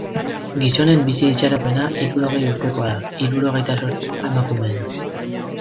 Gizonen bizi itxaropena hirurogei urtekoa da, hirurogeita zortzikoa emakumeena.